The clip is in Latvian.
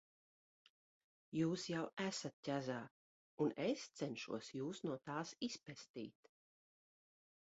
Jūs jau esat ķezā, un es cenšos Jūs no tās izpestīt.